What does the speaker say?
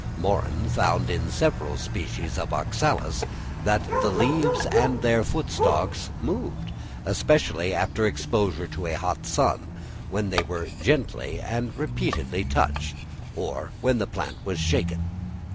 Morren found in several species of Oxalis that the leaves and their foot stalks moved, especially after exposure to a hot sun, when they were gently and repeatedly touched, or when the plant was shaken.